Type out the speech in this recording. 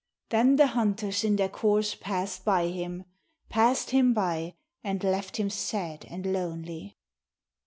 Then the hunters in their course pass'd by him — Pass'd him by, and left him sad and lonely.